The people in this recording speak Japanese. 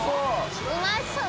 うまそう。